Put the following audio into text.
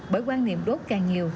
bởi quan niệm đốt càng nhiều